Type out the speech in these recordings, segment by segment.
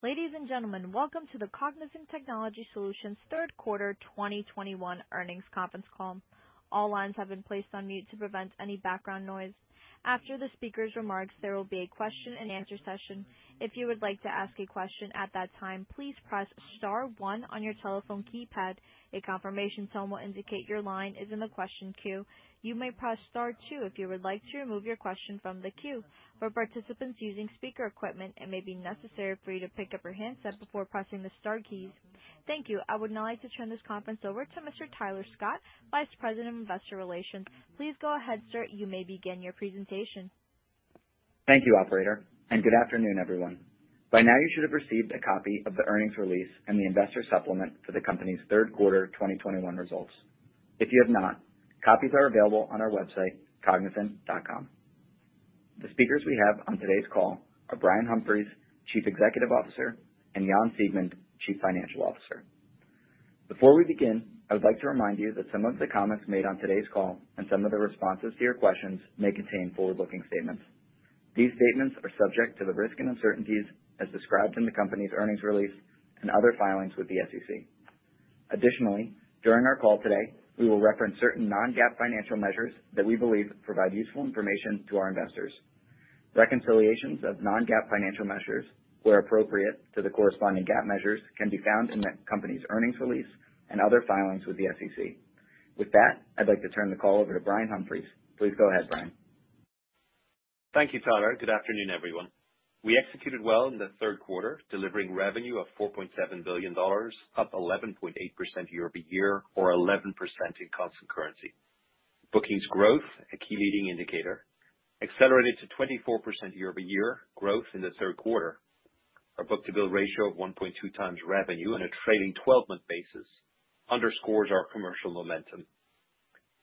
Ladies and gentlemen, welcome to the Cognizant Technology Solutions Third Quarter 2021 Earnings Conference Call. All lines have been placed on mute to prevent any background noise. After the speaker's remarks, there will be a question-and-answer session. If you would like to ask a question at that time, please press star one on your telephone keypad. A confirmation tone will indicate your line is in the question queue. You may press star two if you would like to remove your question from the queue. For participants using speaker equipment, it may be necessary for you to pick up your handset before pressing the star keys. Thank you. I would now like to turn this conference over to Mr. Tyler Scott, Vice President of Investor Relations. Please go ahead, sir. You may begin your presentation. Thank you, operator, and good afternoon, everyone. By now you should have received a copy of the earnings release and the investor supplement for the company's Third Quarter 2021 Results. If you have not, copies are available on our website, cognizant.com. The speakers we have on today's call are Brian Humphries, Chief Executive Officer, and Jan Siegmund, Chief Financial Officer. Before we begin, I would like to remind you that some of the comments made on today's call and some of the responses to your questions may contain forward-looking statements. These statements are subject to the risks and uncertainties as described in the company's earnings release and other filings with the SEC. Additionally, during our call today, we will reference certain non-GAAP financial measures that we believe provide useful information to our investors. Reconciliations of non-GAAP financial measures, where appropriate to the corresponding GAAP measures, can be found in the company's earnings release and other filings with the SEC. With that, I'd like to turn the call over to Brian Humphries. Please go ahead, Brian. Thank you, Tyler. Good afternoon, everyone. We executed well in the third quarter, delivering revenue of $4.7 billion, up 11.8% year-over-year or 11% in constant currency. Bookings growth, a key leading indicator, accelerated to 24% year-over-year growth in the third quarter. Our book-to-bill ratio of 1.2 times revenue on a trailing 12-month basis underscores our commercial momentum.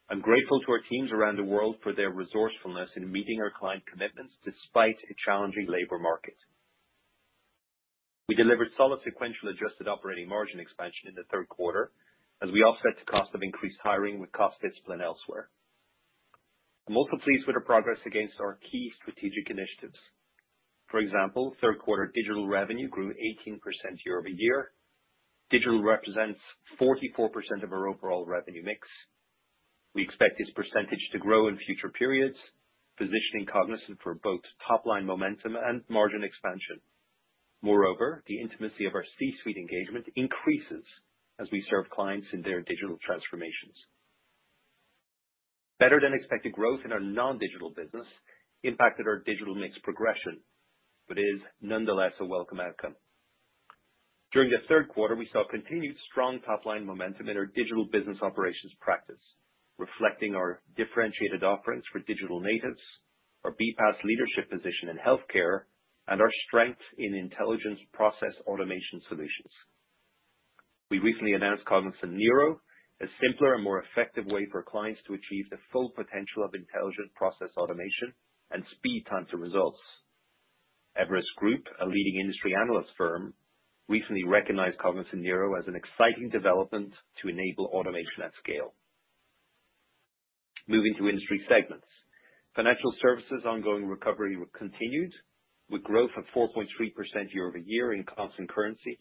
I'm grateful to our teams around the world for their resourcefulness in meeting our client commitments despite a challenging labor market. We delivered solid sequential adjusted operating margin expansion in the third quarter as we offset the cost of increased hiring with cost discipline elsewhere. I'm also pleased with the progress against our key strategic initiatives. For example, third quarter digital revenue grew 18% year-over-year. Digital represents 44% of our overall revenue mix. We expect this percentage to grow in future periods, positioning Cognizant for both top-line momentum and margin expansion. Moreover, the intimacy of our C-suite engagement increases as we serve clients in their digital transformations. Better-than-expected growth in our non-digital business impacted our digital mix progression, but is nonetheless a welcome outcome. During the third quarter, we saw continued strong top-line momentum in our digital business operations practice, reflecting our differentiated offerings for digital natives, our BPaaS leadership position in healthcare, and our strength in intelligent process automation solutions. We recently announced Cognizant Neuro, a simpler and more effective way for clients to achieve the full potential of intelligent process automation and speed time to results. Everest Group, a leading industry analyst firm, recently recognized Cognizant Neuro as an exciting development to enable automation at scale. Moving to industry segments. Financial Services ongoing recovery continued with growth of 4.3% year-over-year in constant currency,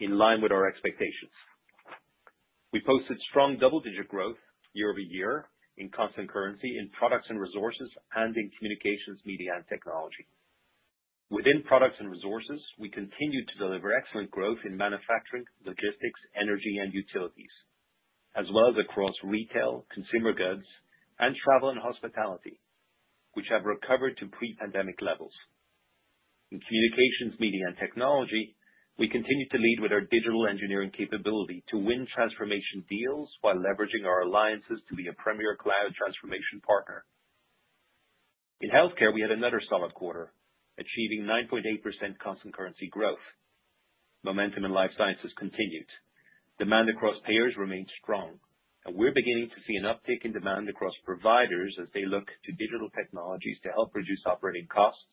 in line with our expectations. We posted strong double-digit growth year-over-year in constant currency in Products and Resources and in Communications, Media, and Technology. Within Products and Resources, we continued to deliver excellent growth in manufacturing, logistics, energy, and utilities, as well as across retail, consumer goods, and travel and hospitality, which have recovered to pre-pandemic levels. In Communications, Media, and Technology, we continued to lead with our digital engineering capability to win transformation deals while leveraging our alliances to be a premier cloud transformation partner. In Healthcare, we had another solid quarter, achieving 9.8% constant currency growth. Momentum in Life Sciences continued. Demand across payers remains strong, and we're beginning to see an uptick in demand across providers as they look to digital technologies to help reduce operating costs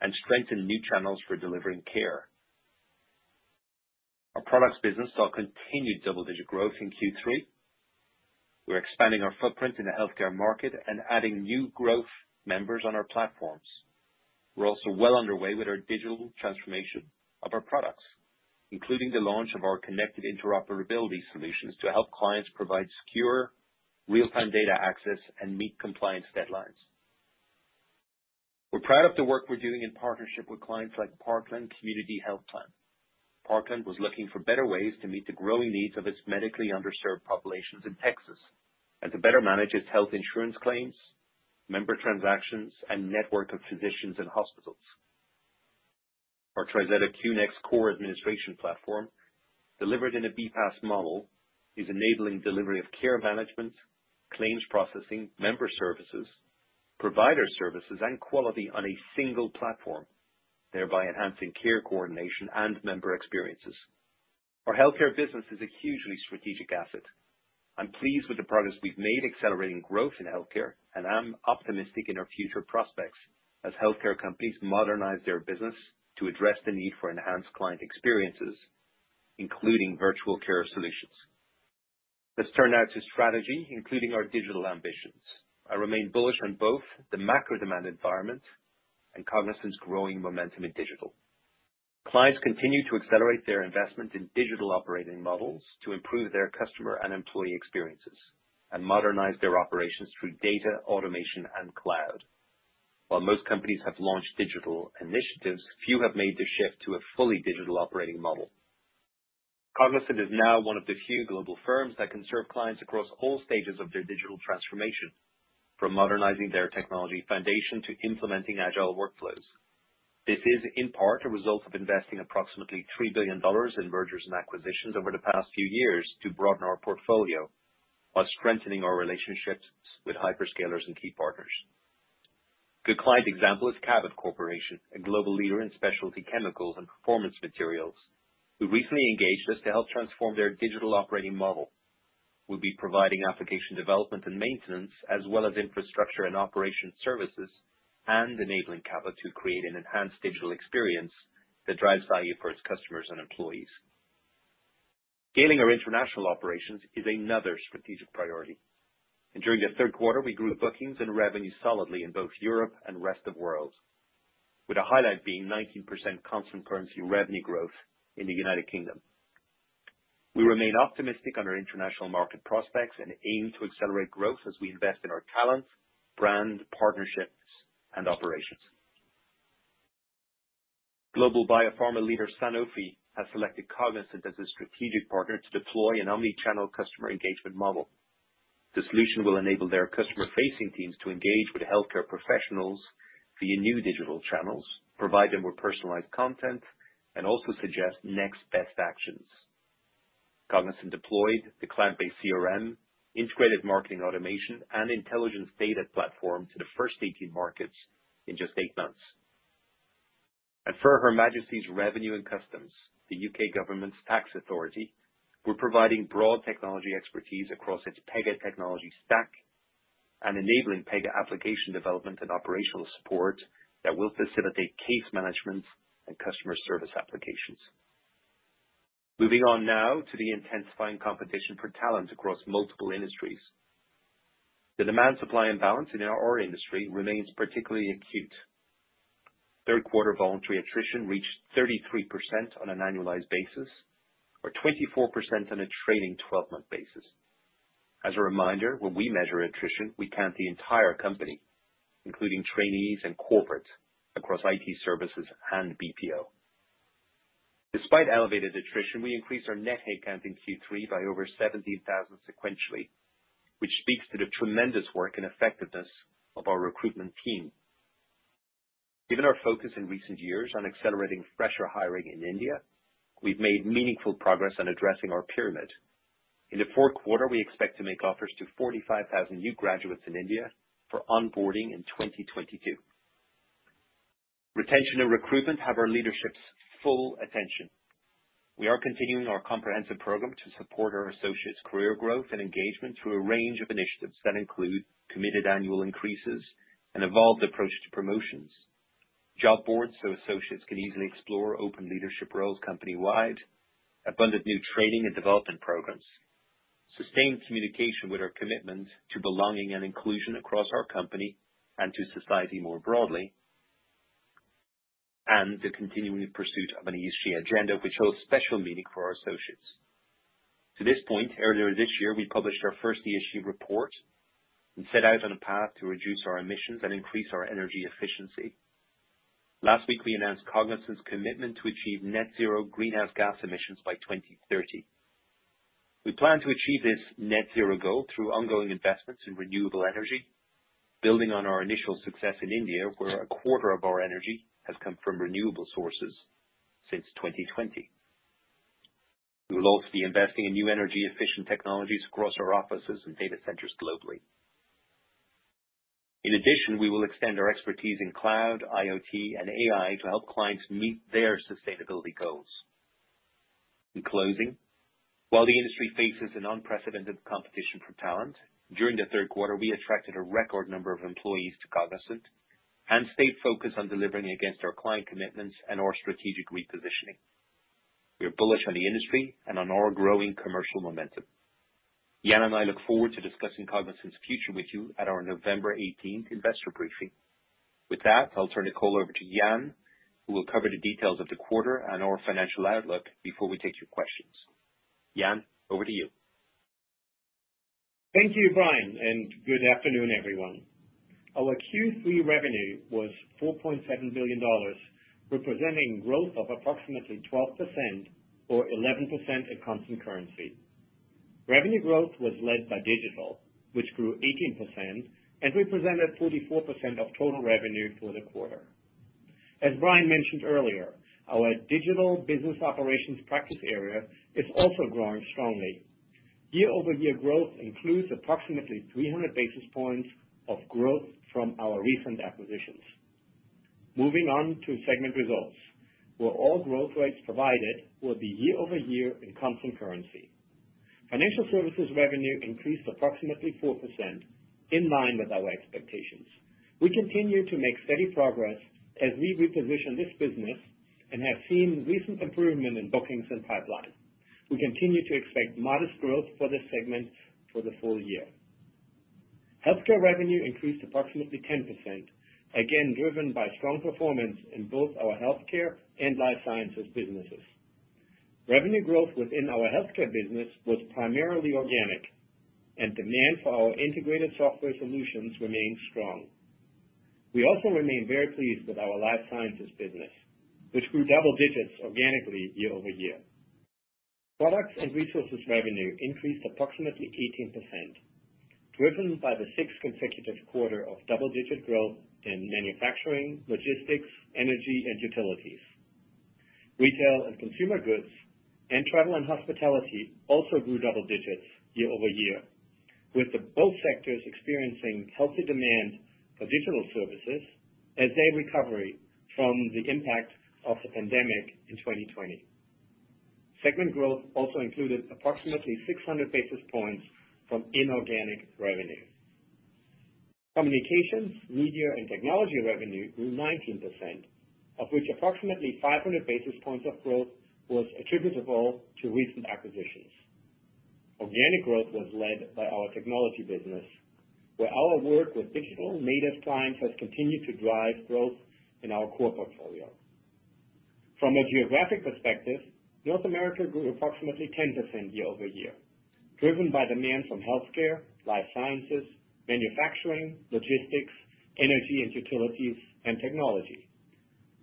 and strengthen new channels for delivering care. Our products business saw continued double-digit growth in Q3. We're expanding our footprint in the healthcare market and adding new growth members on our platforms. We're also well underway with our digital transformation of our products, including the launch of our connected interoperability solutions to help clients provide secure real-time data access and meet compliance deadlines. We're proud of the work we're doing in partnership with clients like Parkland Community Health Plan. Parkland was looking for better ways to meet the growing needs of its medically underserved populations in Texas and to better manage its health insurance claims, member transactions, and network of physicians and hospitals. Our TriZetto QNXT core administration platform, delivered in a BPaaS model, is enabling delivery of care management, claims processing, member services, provider services, and quality on a single platform, thereby enhancing care coordination and member experiences. Our healthcare business is a hugely strategic asset. I'm pleased with the progress we've made accelerating growth in healthcare, and I'm optimistic in our future prospects as healthcare companies modernize their business to address the need for enhanced client experiences, including virtual care solutions. Let's turn now to strategy, including our digital ambitions. I remain bullish on both the macro demand environment and Cognizant's growing momentum in digital. Clients continue to accelerate their investment in digital operating models to improve their customer and employee experiences and modernize their operations through data, automation, and cloud. While most companies have launched digital initiatives, few have made the shift to a fully digital operating model. Cognizant is now one of the few global firms that can serve clients across all stages of their digital transformation, from modernizing their technology foundation to implementing agile workflows. This is, in part, a result of investing approximately $3 billion in mergers and acquisitions over the past few years to broaden our portfolio while strengthening our relationships with hyperscalers and key partners. Good client example is Cabot Corporation, a global leader in specialty chemicals and performance materials, who recently engaged us to help transform their digital operating model. We'll be providing application development and maintenance as well as infrastructure and operations services, and enabling Cabot to create an enhanced digital experience that drives value for its customers and employees. Scaling our international operations is another strategic priority. During the third quarter, we grew bookings and revenue solidly in both Europe and rest of world, with the highlight being 19% constant currency revenue growth in the United Kingdom. We remain optimistic on our international market prospects and aim to accelerate growth as we invest in our talent, brand, partnerships, and operations. Global biopharma leader Sanofi has selected Cognizant as a strategic partner to deploy an omni-channel customer engagement model. The solution will enable their customer-facing teams to engage with healthcare professionals via new digital channels, provide them with personalized content, and also suggest next best actions. Cognizant deployed the cloud-based CRM, integrated marketing automation, and intelligence data platform to the first 18 markets in just eight months. At Her Majesty's Revenue and Customs, the U.K. government's tax authority, we're providing broad technology expertise across its Pega technology stack and enabling Pega application development and operational support that will facilitate case management and customer service applications. Moving on now to the intensifying competition for talent across multiple industries. The demand-supply imbalance in our industry remains particularly acute. Third quarter voluntary attrition reached 33% on an annualized basis or 24% on a trailing 12-month basis. As a reminder, when we measure attrition, we count the entire company, including trainees and corporate across IT services and BPO. Despite elevated attrition, we increased our net headcount in Q3 by over 17,000 sequentially, which speaks to the tremendous work and effectiveness of our recruitment team. Given our focus in recent years on accelerating fresher hiring in India, we've made meaningful progress on addressing our pyramid. In the fourth quarter, we expect to make offers to 45,000 new graduates in India for onboarding in 2022. Retention and recruitment have our leadership's full attention. We are continuing our comprehensive program to support our associates' career growth and engagement through a range of initiatives that include committed annual increases, an evolved approach to promotions, job boards so associates can easily explore open leadership roles company-wide, abundant new training and development programs, sustained communication with our commitment to belonging and inclusion across our company and to society more broadly, and the continuing pursuit of an ESG agenda which holds special meaning for our associates. To this point, earlier this year, we published our first ESG report and set out on a path to reduce our emissions and increase our energy efficiency. Last week, we announced Cognizant's commitment to achieve net zero greenhouse gas emissions by 2030. We plan to achieve this net zero goal through ongoing investments in renewable energy, building on our initial success in India, where a quarter of our energy has come from renewable sources since 2020. We will also be investing in new energy-efficient technologies across our offices and data centers globally. In addition, we will extend our expertise in cloud, IoT, and AI to help clients meet their sustainability goals. In closing, while the industry faces an unprecedented competition for talent, during the third quarter we attracted a record number of employees to Cognizant and stayed focused on delivering against our client commitments and our strategic repositioning. We are bullish on the industry and on our growing commercial momentum. Jan and I look forward to discussing Cognizant's future with you at our November 18 investor briefing. With that, I'll turn the call over to Jan, who will cover the details of the quarter and our financial outlook before we take your questions. Jan, over to you. Thank you, Brian, and good afternoon, everyone. Our Q3 revenue was $4.7 billion, representing growth of approximately 12% or 11% at constant currency. Revenue growth was led by Digital, which grew 18% and represented 44% of total revenue for the quarter. As Brian mentioned earlier, our Digital Business Operations practice area is also growing strongly. Year-over-year growth includes approximately 300 basis points of growth from our recent acquisitions. Moving on to segment results, where all growth rates provided will be year-over-year in constant currency. Financial Services revenue increased approximately 4%, in line with our expectations. We continue to make steady progress as we reposition this business. We have seen recent improvement in bookings and pipeline. We continue to expect modest growth for this segment for the full year. Healthcare revenue increased approximately 10%, again, driven by strong performance in both our healthcare and life sciences businesses. Revenue growth within our healthcare business was primarily organic, and demand for our integrated software solutions remains strong. We also remain very pleased with our life sciences business, which grew double digits organically year-over-year. Products and Resources revenue increased approximately 18%, driven by the sixth consecutive quarter of double-digit growth in manufacturing, logistics, energy and utilities. Retail and consumer goods and travel and hospitality also grew double digits year-over-year, with both sectors experiencing healthy demand for digital services as they recover from the impact of the pandemic in 2020. Segment growth also included approximately 600 basis points from inorganic revenue. Communications, Media and Technology revenue grew 19%, of which approximately 500 basis points of growth was attributable to recent acquisitions. Organic growth was led by our technology business, where our work with digital-native clients has continued to drive growth in our core portfolio. From a geographic perspective, North America grew approximately 10% year-over-year, driven by demand from healthcare, life sciences, manufacturing, logistics, energy and utilities, and technology.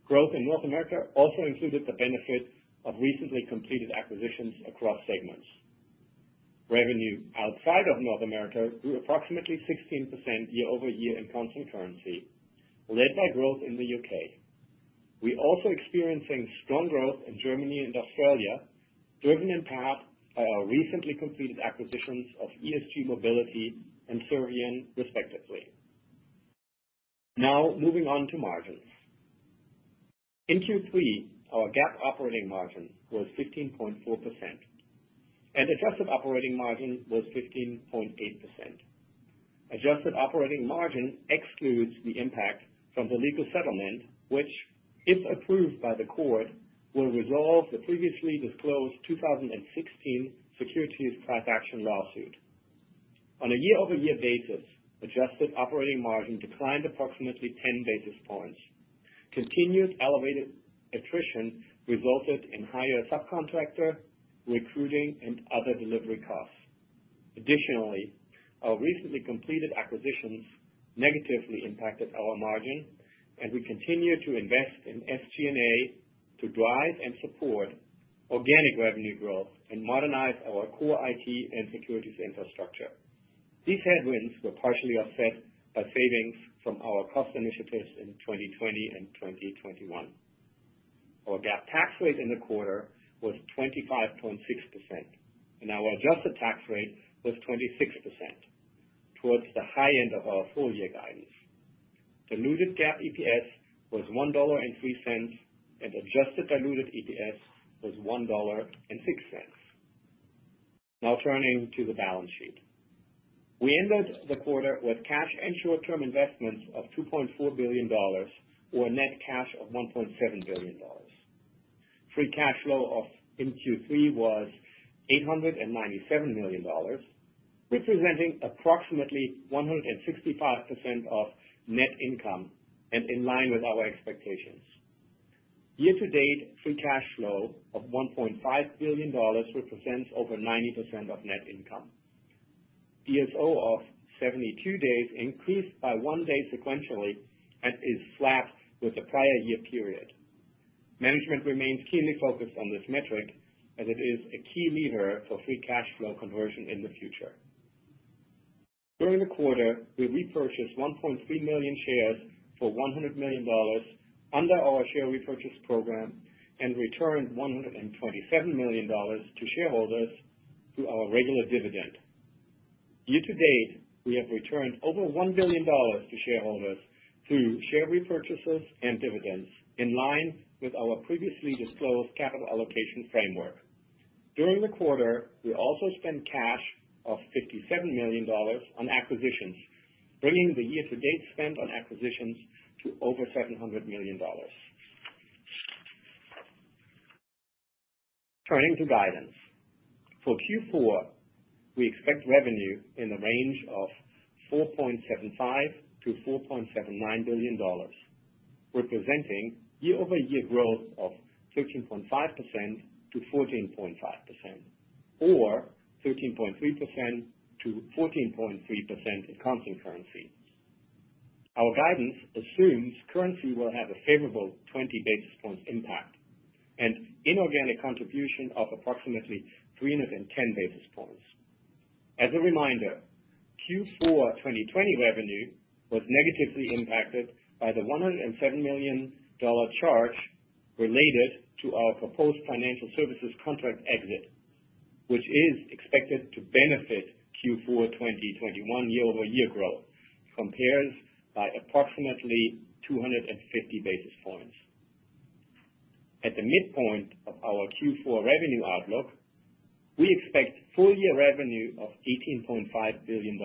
Growth in North America also included the benefit of recently completed acquisitions across segments. Revenue outside of North America grew approximately 16% year-over-year in constant currency, led by growth in the U.K. We also experienced strong growth in Germany and Australia, driven in part by our recently completed acquisitions of ESG Mobility and Servian, respectively. Now moving on to margins. In Q3, our GAAP operating margin was 15.4% and adjusted operating margin was 15.8%. Adjusted operating margin excludes the impact from the legal settlement, which, if approved by the court, will resolve the previously disclosed 2016 securities class action lawsuit. On a year-over-year basis, adjusted operating margin declined approximately 10 basis points. Continued elevated attrition resulted in higher subcontractor, recruiting, and other delivery costs. Additionally, our recently completed acquisitions negatively impacted our margin, and we continue to invest in SG&A to drive and support organic revenue growth and modernize our core IT and securities infrastructure. These headwinds were partially offset by savings from our cost initiatives in 2020 and 2021. Our GAAP tax rate in the quarter was 25.6%, and our adjusted tax rate was 26%, towards the high end of our full year guidance. Diluted GAAP EPS was $1.03, and adjusted diluted EPS was $1.06. Now turning to the balance sheet. We ended the quarter with cash and short-term investments of $2.4 billion or net cash of $1.7 billion. Free cash flow in Q3 was $897 million, representing approximately 165% of net income and in line with our expectations. Year-to-date, free cash flow of $1.5 billion represents over 90% of net income. DSO of 72 days increased by one day sequentially and is flat with the prior year period. Management remains keenly focused on this metric as it is a key lever for free cash flow conversion in the future. During the quarter, we repurchased 1.3 million shares for $100 million under our share repurchase program and returned $127 million to shareholders through our regular dividend. Year-to-date, we have returned over $1 billion to shareholders through share repurchases and dividends in line with our previously disclosed capital allocation framework. During the quarter, we also spent cash of $57 million on acquisitions, bringing the year-to-date spend on acquisitions to over $700 million. Turning to guidance. For Q4, we expect revenue in the range of $4.75 billion-$4.79 billion, representing year-over-year growth of 13.5%-14.5% or 13.3%-14.3% in constant currency. Our guidance assumes currency will have a favourable 20 basis points impact and inorganic contribution of approximately 310 basis points. As a reminder, Q4 2020 revenue was negatively impacted by the $107 million charge related to our proposed financial services contract exit, which is expected to benefit Q4 2021 year-over-year growth by approximately 250 basis points. At the midpoint of our Q4 revenue outlook- We expect full-year revenue of $18.5 billion,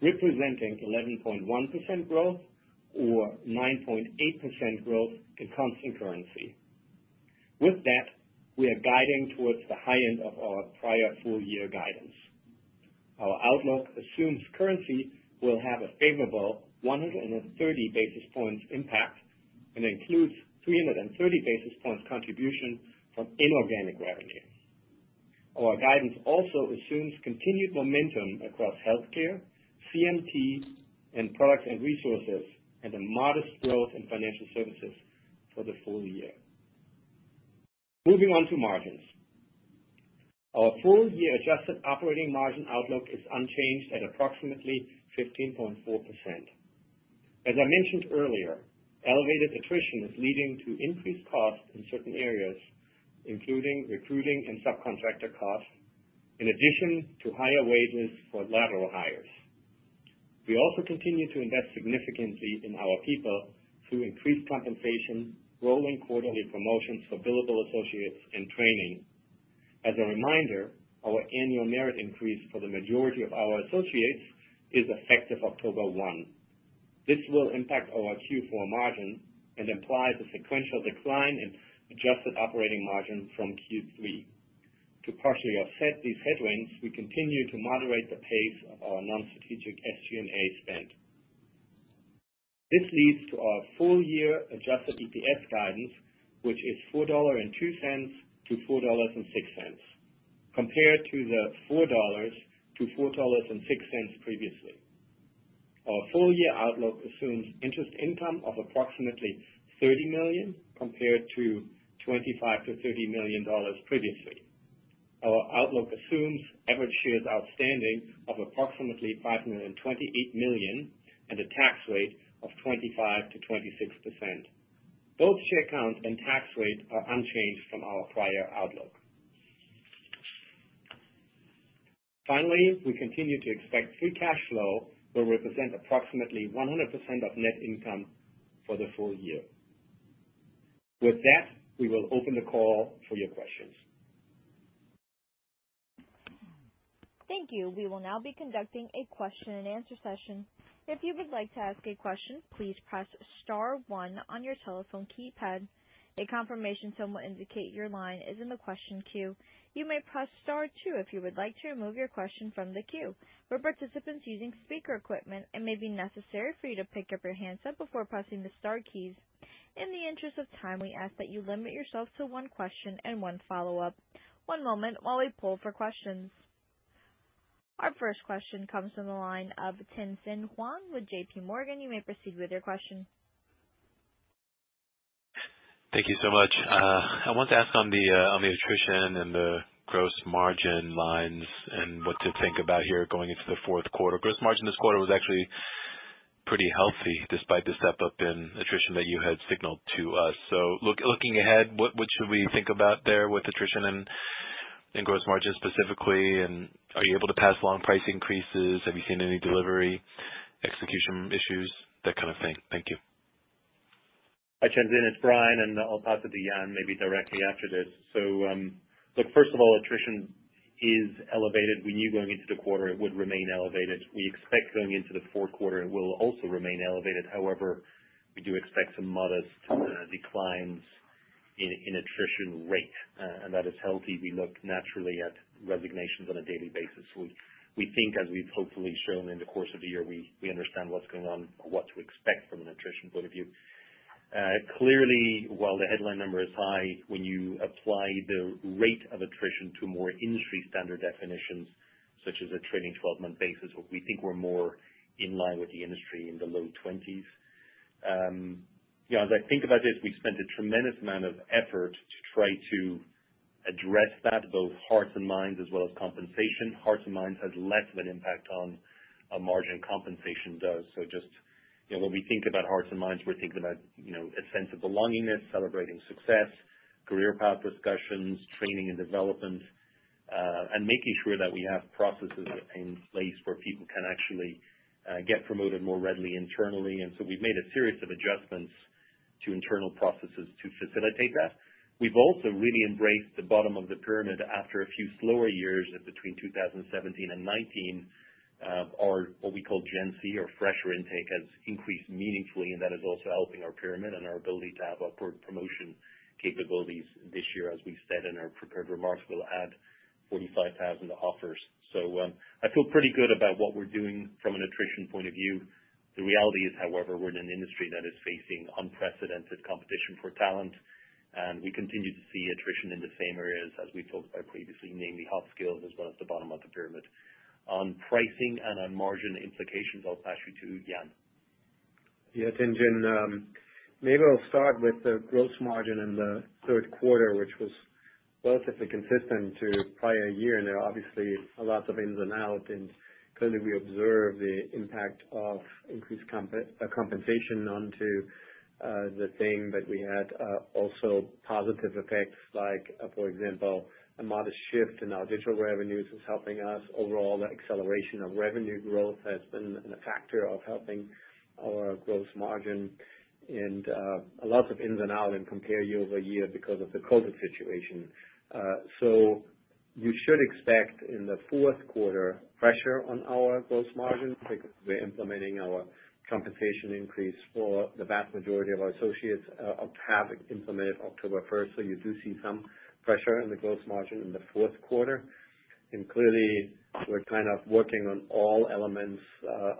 representing 11.1% growth or 9.8% growth in constant currency. With that, we are guiding towards the high end of our prior full-year guidance. Our outlook assumes currency will have a favourable 130 basis points impact and includes 330 basis points contribution from inorganic revenue. Our guidance also assumes continued momentum across Healthcare, CMT, and Products and Resources, and a modest growth in Financial Services for the full year. Moving on to margins. Our full-year adjusted operating margin outlook is unchanged at approximately 15.4%. As I mentioned earlier, elevated attrition is leading to increased costs in certain areas, including recruiting and subcontractor costs, in addition to higher wages for lateral hires. We also continue to invest significantly in our people through increased compensation, rolling quarterly promotions for billable associates and training. As a reminder, our annual merit increase for the majority of our associates is effective October 1. This will impact our Q4 margin and imply the sequential decline in adjusted operating margin from Q3. To partially offset these headwinds, we continue to moderate the pace of our non-strategic SG&A spend. This leads to our full-year adjusted EPS guidance, which is $4.02-$4.06, compared to $4.00-$4.06 previously. Our full-year outlook assumes interest income of approximately $30 million compared to $25 million-$30 million previously. Our outlook assumes average shares outstanding of approximately 528 million and a tax rate of 25%-26%. Both share count and tax rate are unchanged from our prior outlook. Finally, we continue to expect free cash flow will represent approximately 100% of net income for the full year. With that, we will open the call for your questions. Thank you. We will now be conducting a question-and-answer session. If you would like to ask a question, please press star one on your telephone keypad. A confirmation tone will indicate your line is in the question queue. You may press star two if you would like to remove your question from the queue. For participants using speaker equipment, it may be necessary for you to pick up your handset before pressing the star keys. In the interest of time, we ask that you limit yourself to one question and one follow-up. One moment while we poll for questions. Our first question comes from the line of Tien-Tsin Huang with J.P. Morgan. You may proceed with your question. Thank you so much. I want to ask on the attrition and the gross margin lines and what to think about here going into the fourth quarter. Gross margin this quarter was actually pretty healthy despite the step-up in attrition that you had signalled to us. Look, looking ahead, what should we think about there with attrition and gross margin specifically? And are you able to pass along price increases? Have you seen any delivery execution issues, that kind of thing? Thank you. Hi, Tien-Tsin, it's Brian, and I'll pass it to Jan maybe directly after this. Look, first of all, attrition is elevated. We knew going into the quarter it would remain elevated. We expect going into the fourth quarter it will also remain elevated. However, we do expect some modest declines in attrition rate, and that is healthy. We look naturally at resignations on a daily basis. We think, as we've hopefully shown in the course of the year, we understand what's going on, what to expect from an attrition point of view. Clearly, while the headline number is high, when you apply the rate of attrition to more industry standard definitions, such as a trailing 12-month basis, we think we're more in line with the industry in the low twenties. You know, as I think about this, we've spent a tremendous amount of effort to try to address that, both hearts and minds as well as compensation. Hearts and minds has less of an impact on a margin compensation does. Just, you know, when we think about hearts and minds, we're thinking about, you know, a sense of belongingness, celebrating success, career path discussions, training and development, and making sure that we have processes in place where people can actually get promoted more readily internally. We've made a series of adjustments to internal processes to facilitate that. We've also really embraced the bottom of the pyramid after a few slower years between 2017 and 2019. Our what we call GenC or fresher intake has increased meaningfully, and that is also helping our pyramid and our ability to have upward promotion capabilities this year. As we've said in our prepared remarks, we'll add 45,000 offers. I feel pretty good about what we're doing from an attrition point of view. The reality is, however, we're in an industry that is facing unprecedented competition for talent, and we continue to see attrition in the same areas as we talked about previously, namely hot skills as well as the bottom of the pyramid. On pricing and on margin implications, I'll pass you to Jan. Yes, Tien-Tsin. Maybe I'll start with the gross margin in the third quarter, which was relatively consistent to prior year. There are obviously a lot of ins and outs. Clearly, we observe the impact of increased compensation on to the margin, but we had also positive effects like, for example, a modest shift in our Digital revenues is helping us. Overall, the acceleration of revenue growth has been a factor of helping our gross margin. A lot of ins and outs and comparisons year over year because of the COVID situation. You should expect in the fourth quarter pressure on our gross margin because we're implementing our compensation increase for the vast majority of our associates, which we have implemented October first. You do see some pressure on the gross margin in the fourth quarter. Clearly, we're kind of working on all elements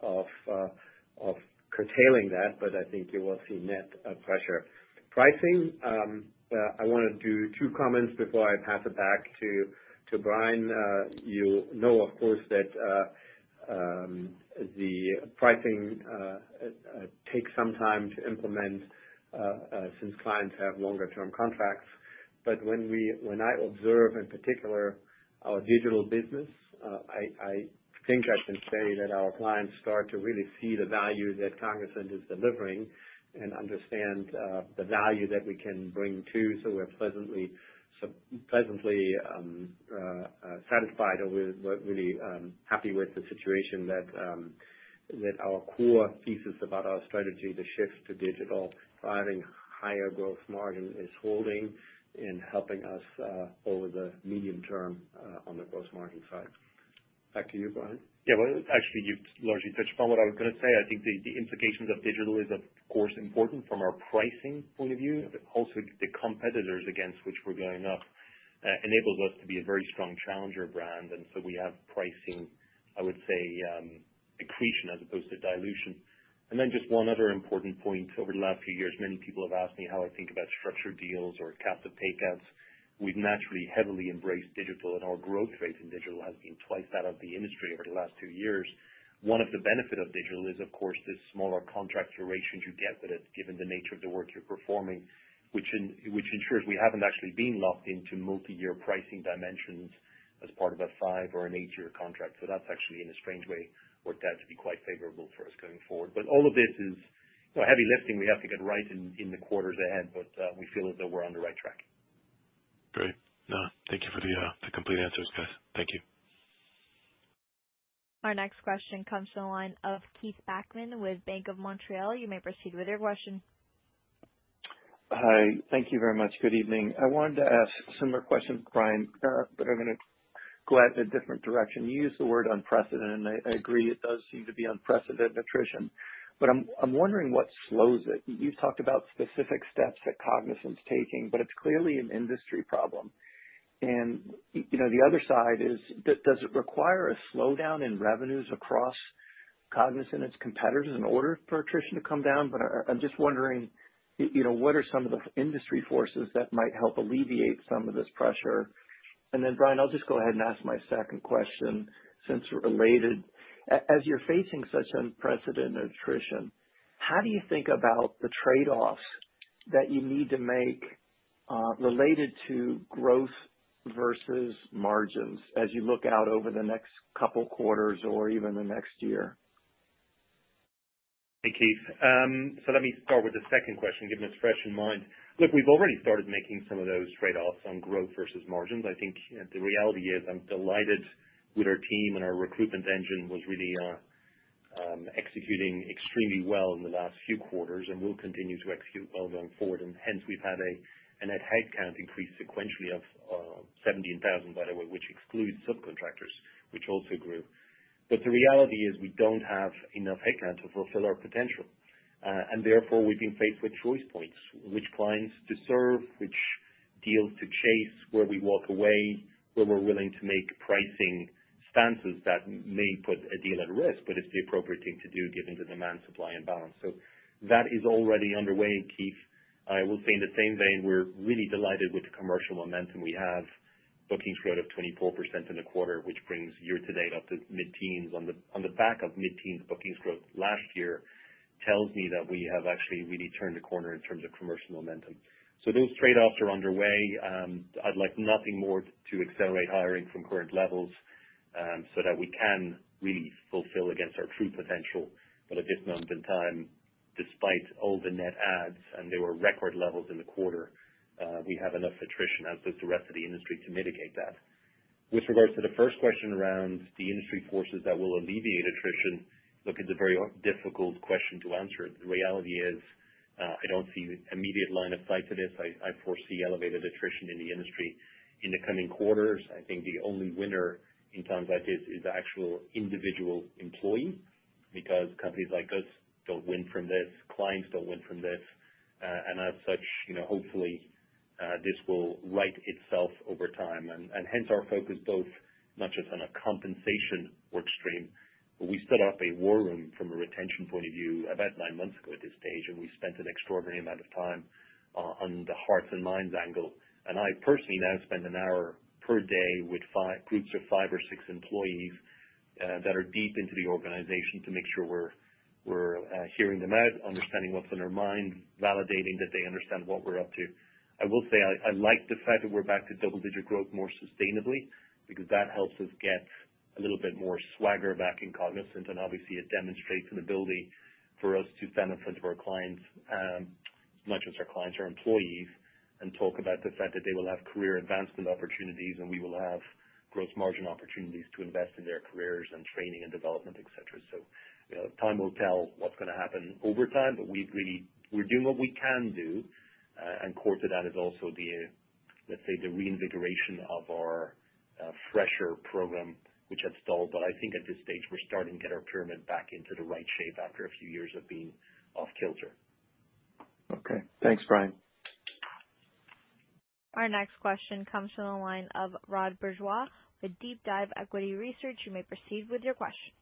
of curtailing that, but I think you will see net pressure. Pricing, I wanna do two comments before I pass it back to Brian. You know, of course, that the pricing takes some time to implement since clients have longer-term contracts. When I observe in particular our digital business, I think I can say that our clients start to really see the value that Cognizant is delivering and understand the value that we can bring too. We're pleasantly satisfied or we're really happy with the situation that with our core thesis about our strategy to shift to digital, driving higher growth margin is holding and helping us over the medium term on the gross margin side. Back to you, Brian. Yeah. Well, actually, you largely touched upon what I was gonna say. I think the implications of digital is of course important from our pricing point of view, but also the competitors against which we're going up enables us to be a very strong challenger brand. We have pricing, I would say, accretion as opposed to dilution. Just one other important point. Over the last few years, many people have asked me how I think about structured deals or captive takeouts. We've naturally heavily embraced digital, and our growth rate in digital has been twice that of the industry over the last two years. One of the benefit of digital is, of course, the smaller contract durations you get with it, given the nature of the work you're performing, which ensures we haven't actually been locked into multi-year pricing dimensions as part of a five or an eight-year contract. That's actually, in a strange way, worked out to be quite favourable for us going forward. All of this is, you know, heavy lifting we have to get right in the quarters ahead, but we feel that we're on the right track. Great. No, thank you for the complete answers, guys. Thank you. Our next question comes to the line of Keith Bachman with BMO Capital Markets. You may proceed with your question. Hi. Thank you very much. Good evening. I wanted to ask similar questions to Brian, but I'm gonna go out in a different direction. You used the word unprecedented, and I agree it does seem to be unprecedented attrition, but I'm wondering what slows it. You've talked about specific steps that Cognizant's taking, but it's clearly an industry problem. You know, the other side is, does it require a slowdown in revenues across Cognizant and its competitors in order for attrition to come down? But I'm just wondering, you know, what are some of the industry forces that might help alleviate some of this pressure? Then Brian, I'll just go ahead and ask my second question since we're related. As you're facing such unprecedented attrition, how do you think about the trade-offs that you need to make, related to growth versus margins as you look out over the next couple quarters or even the next year? Hey, Keith. While it's fresh in mind. Look, we've already started making some of those trade-offs on growth versus margins. I think the reality is I'm delighted with our team, and our recruitment engine was really executing extremely well in the last few quarters and will continue to execute well going forward. Hence we've had a net headcount increase sequentially of 17,000, by the way, which excludes subcontractors, which also grew. The reality is we don't have enough headcount to fulfill our potential, and therefore we've been faced with choice points, which clients to serve, which deals to chase, where we walk away, where we're willing to make pricing stances that may put a deal at risk, but it's the appropriate thing to do given the demand, supply and balance. That is already underway, Keith. I will say in the same vein, we're really delighted with the commercial momentum we have. Bookings growth of 24% in the quarter, which brings year-to-date up to mid-teens on the back of mid-teens bookings growth last year, tells me that we have actually really turned a corner in terms of commercial momentum. Those trade-offs are underway. I'd like nothing more to accelerate hiring from current levels, so that we can really fulfill against our true potential. At this moment in time, despite all the net adds, and there were record levels in the quarter, we have enough attrition, as does the rest of the industry, to mitigate that. With regards to the first question around the industry forces that will alleviate attrition. Look, it's a very difficult question to answer. The reality is, I don't see immediate line of sight to this. I foresee elevated attrition in the industry in the coming quarters. I think the only winner in times like this is the actual individual employee, because companies like us don't win from this, clients don't win from this. As such, you know, hopefully, this will right itself over time. Hence our focus both not just on a compensation work stream, but we set up a war room from a retention point of view about nine months ago at this stage, and we spent an extraordinary amount of time on the hearts and minds angle. I personally now spend an hour per day with five groups of five or six employees that are deep into the organization to make sure we're hearing them out, understanding what's on their mind, validating that they understand what we're up to. I will say I like the fact that we're back to double-digit growth more sustainably because that helps us get a little bit more swagger back in Cognizant, and obviously it demonstrates an ability for us to benefit our clients as much as our clients our employees, and talk about the fact that they will have career advancement opportunities and we will have gross margin opportunities to invest in their careers and training and development, et cetera. You know, time will tell what's gonna happen over time, but we really are doing what we can do, and core to that is also, let's say, the reinvigoration of our fresher program, which had stalled. I think at this stage, we're starting to get our pyramid back into the right shape after a few years of being off-kilter. Okay. Thanks, Brian. Our next question comes from the line of Rod Bourgeois with Deep Dive Equity Research. You may proceed with your question.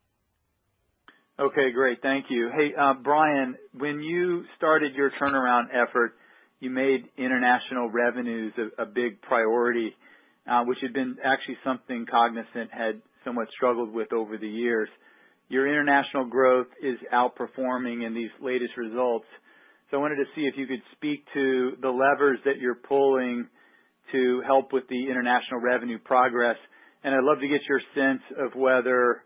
Okay, great. Thank you. Hey, Brian, when you started your turnaround effort, you made international revenues a big priority, which had been actually something Cognizant had somewhat struggled with over the years. Your international growth is outperforming in these latest results. I wanted to see if you could speak to the levers that you're pulling to help with the international revenue progress. I'd love to get your sense of whether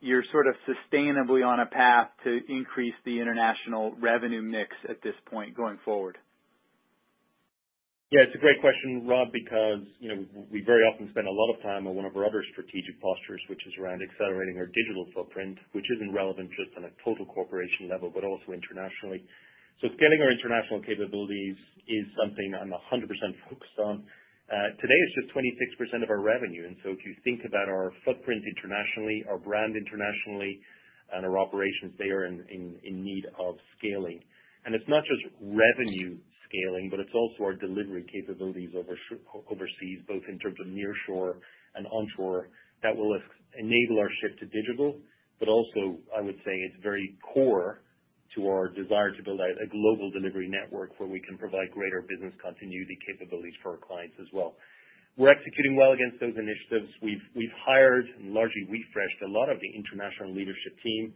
you're sort of sustainably on a path to increase the international revenue mix at this point going forward. Yeah, it's a great question, Rod, because, you know, we very often spend a lot of time on one of our other strategic postures, which is around accelerating our digital footprint, which isn't relevant just on a total corporation level, but also internationally. Scaling our international capabilities is something I'm 100% focused on. Today, it's just 26% of our revenue, and so if you think about our footprint internationally, our brand internationally and our operations, they are in need of scaling. It's not just revenue scaling, but it's also our delivery capabilities overseas, both in terms of near shore and onshore, that will enable our shift to digital. It also, I would say it's very core to our desire to build a global delivery network where we can provide greater business continuity capabilities for our clients as well. We're executing well against those initiatives. We've hired and largely refreshed a lot of the international leadership team,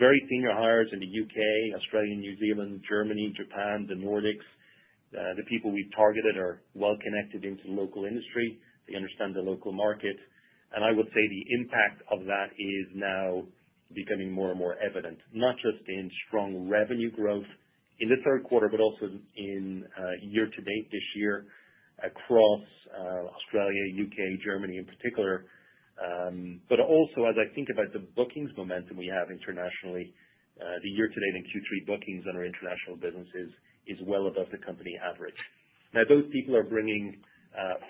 very senior hires in the U.K., Australia, New Zealand, Germany, Japan, the Nordics. The people we've targeted are well connected into the local industry. They understand the local market. I would say the impact of that is now becoming more and more evident, not just in strong revenue growth in the third quarter, but also in year-to-date this year across Australia, U.K., Germany in particular. Also as I think about the bookings momentum we have internationally, the year-to-date in Q3 bookings on our international businesses is well above the company average. Now, those people are bringing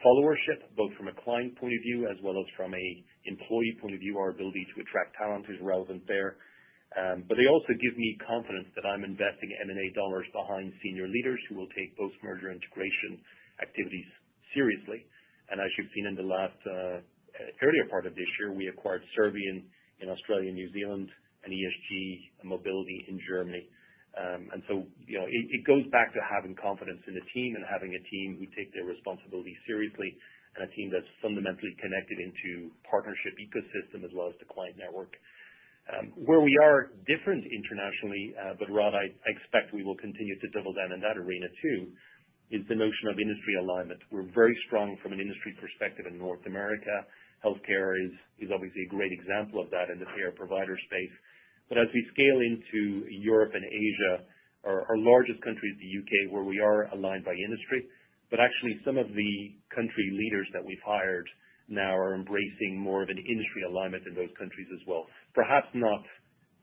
followership both from a client point of view as well as from an employee point of view. Our ability to attract talent is relevant there. They also give me confidence that I'm investing M&A dollars behind senior leaders who will take post-merger integration activities seriously. As you've seen in the earlier part of this year, we acquired Servian in Australia, New Zealand, and ESG Mobility in Germany. You know, it goes back to having confidence in a team and having a team who take their responsibility seriously, and a team that's fundamentally connected into partnership ecosystem as well as the client network. Where we are different internationally, Rod, I expect we will continue to double down in that arena too, is the notion of industry alignment. We're very strong from an industry perspective in North America. Healthcare is obviously a great example of that in the payer provider space. As we scale into Europe and Asia, our largest country is the U.K., where we are aligned by industry. Actually, some of the country leaders that we've hired now are embracing more of an industry alignment in those countries as well. Perhaps not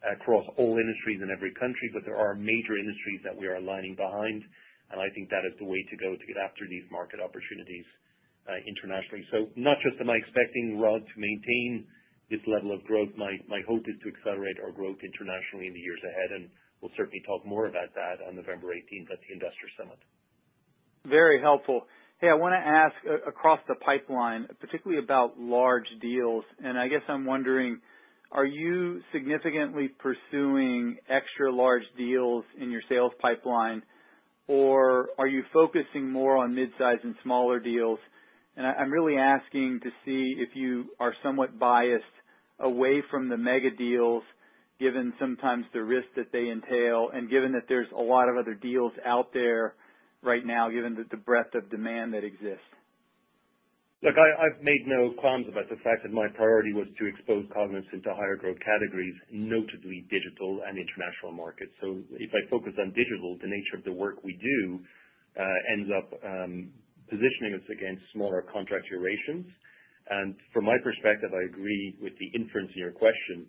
across all industries in every country, but there are major industries that we are aligning behind, and I think that is the way to go to get after these market opportunities internationally. Not just am I expecting Rod to maintain this level of growth, my hope is to accelerate our growth internationally in the years ahead, and we'll certainly talk more about that on November 18th at the Industry Summit. Very helpful. Hey, I wanna ask across the pipeline, particularly about large deals, and I guess I'm wondering, are you significantly pursuing extra large deals in your sales pipeline, or are you focusing more on mid-size and smaller deals? I'm really asking to see if you are somewhat biased away from the mega deals given sometimes the risk that they entail, and given that there's a lot of other deals out there right now, given the breadth of demand that exists. Look, I've made no qualms about the fact that my priority was to expose Cognizant to higher growth categories, notably digital and international markets. If I focus on digital, the nature of the work we do ends up positioning us against smaller contract durations. From my perspective, I agree with the inference in your question.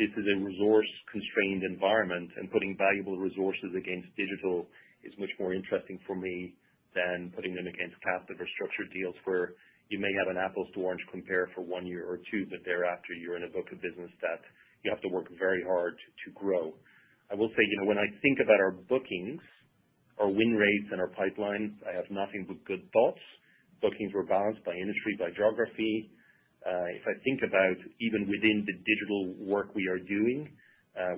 This is a resource-constrained environment, and putting valuable resources against digital is much more interesting for me than putting them against captive or structured deals where you may have an apples-to-oranges comparison for one year or two, but thereafter you're in a book of business that you have to work very hard to grow. I will say, you know, when I think about our bookings, our win rates and our pipelines, I have nothing but good thoughts. Bookings were balanced by industry, by geography. If I think about even within the digital work we are doing,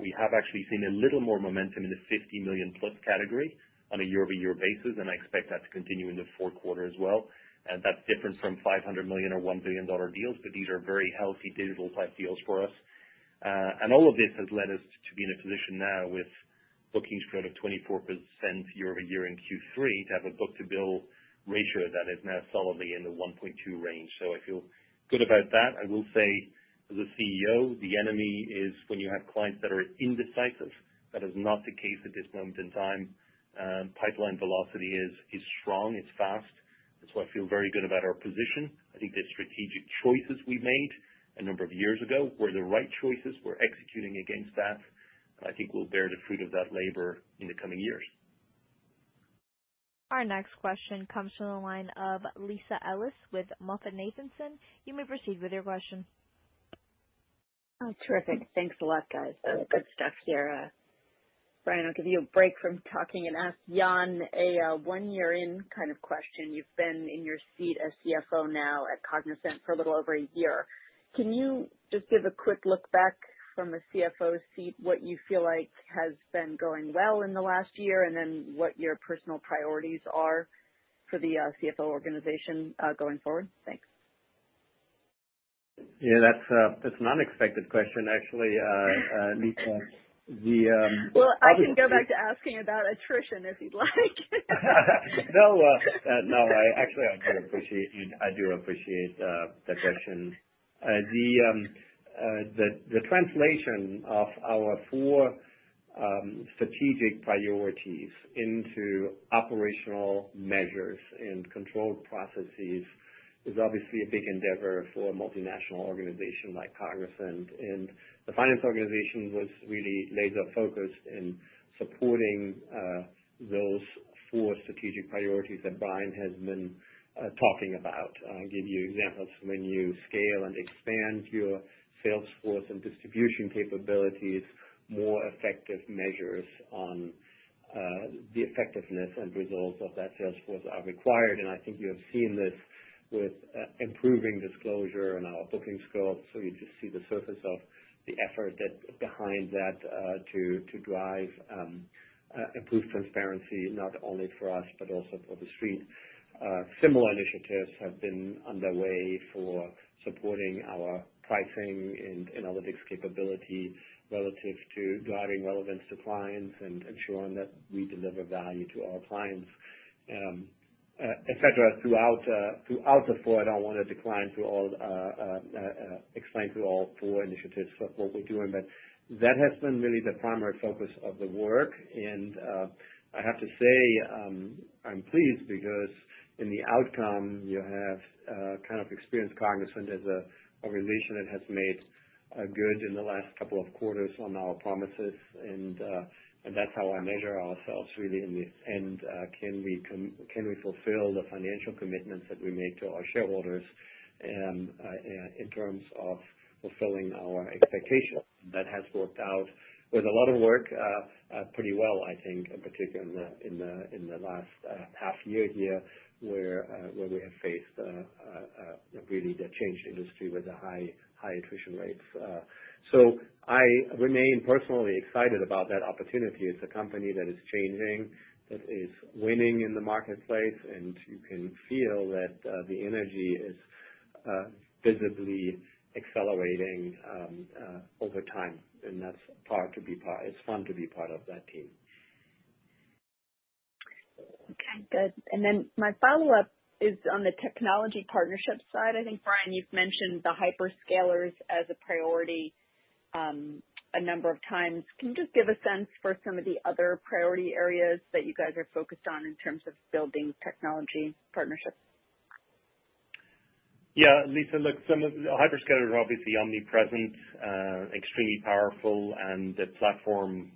we have actually seen a little more momentum in the $50 million+ category on a year-over-year basis, and I expect that to continue in the fourth quarter as well. That's different from $500 million or $1 billion deals. These are very healthy digital-type deals for us. All of this has led us to be in a position now with bookings growth of 24% year-over-year in Q3, to have a book-to-bill ratio that is now solidly in the 1.2 range. I feel good about that. I will say, as a CEO, the enemy is when you have clients that are indecisive. That is not the case at this moment in time. Pipeline velocity is strong, it's fast. That's why I feel very good about our position. I think the strategic choices we made a number of years ago were the right choices. We're executing against that, and I think we'll bear the fruit of that labor in the coming years. Our next question comes from the line of Lisa Ellis with MoffettNathanson. You may proceed with your question. Oh, terrific. Thanks a lot, guys. Good stuff here. Brian, I'll give you a break from talking and ask Jan a one-year in kind of question. You've been in your seat as CFO now at Cognizant for a little over a year. Can you just give a quick look back from the CFO seat, what you feel like has been going well in the last year, and then what your personal priorities are for the CFO organization going forward? Thanks. Yeah, that's an unexpected question, actually, Lisa. The Well, I can go back to asking about attrition if you'd like. No, I actually quite appreciate it. I do appreciate the question. The translation of our four strategic priorities into operational measures and control processes is obviously a big endeavour for a multinational organization like Cognizant, and the finance organization was really laser-focused in supporting those four strategic priorities that Brian has been talking about. I'll give you examples. When you scale and expand your sales force and distribution capabilities, more effective measures on the effectiveness and results of that sales force are required, and I think you have seen this with improving disclosure on our bookings growth. You just see the surface of the effort that behind that to drive improved transparency, not only for us, but also for the street. Similar initiatives have been underway for supporting our pricing and analytics capability relative to driving relevance to clients and ensuring that we deliver value to our clients, et cetera, throughout the four. I don't want to delve into all four initiatives of what we're doing, but that has been really the primary focus of the work. I have to say, I'm pleased because in the outcome you have kind of experienced Cognizant as a reliable that has made good in the last couple of quarters on our promises and that's how I measure ourselves really in the end. Can we fulfill the financial commitments that we make to our shareholders? In terms of fulfilling our expectations, that has worked out with a lot of work pretty well, I think, particularly in the last half year here where we have faced really the changed industry with the high attrition rates. I remain personally excited about that opportunity. It's a company that is changing, that is winning in the marketplace, and you can feel that the energy is visibly accelerating over time. It's fun to be part of that team. Okay, good. My follow-up is on the technology partnership side. I think, Brian, you've mentioned the hyperscalers as a priority, a number of times. Can you just give a sense for some of the other priority areas that you guys are focused on in terms of building technology partnerships? Yeah. Lisa, look, some of the hyperscalers are obviously omnipresent, extremely powerful, and the platform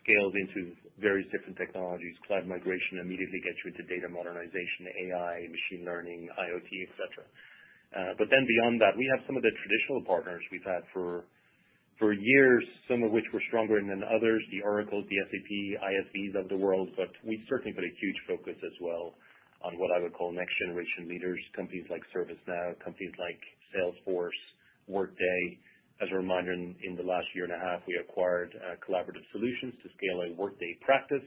scales into various different technologies. Cloud migration immediately gets you to data modernization, AI, machine learning, IoT, et cetera. Beyond that, we have some of the traditional partners we've had for years, some of which were stronger than others, the Oracle, the SAP, ISVs of the world, but we've certainly put a huge focus as well on what I would call next generation leaders, companies like ServiceNow, companies like Salesforce, Workday. As a reminder, in the last year and a half, we acquired Collaborative Solutions to scale our Workday practice.